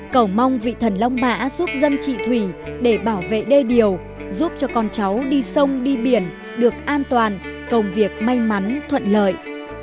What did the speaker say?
cầu mong vị thần long mã giúp dân chị thủy để bảo vệ đê điều giúp cho con cháu đi sông đi biển được an toàn công việc may mắn thuận lợi